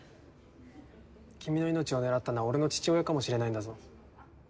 君の命を狙ったのは俺の父親かもしれないんだぞ。